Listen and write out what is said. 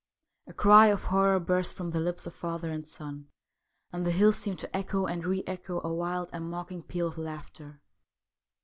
A cry of horror burst from the lips of father and son, and the hills seemed to echo and re echo a wild and mocking peal of laughter.